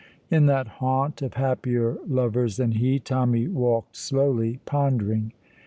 In that haunt of happier lovers than he, Tommy walked slowly, pondering.